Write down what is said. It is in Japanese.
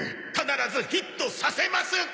必ずヒットさせます！